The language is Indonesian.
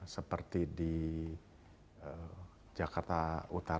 seperti di jakarta utara